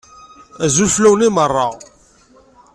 Azul fell-awen i meṛṛa.